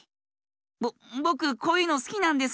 ぼぼくこういうのすきなんです。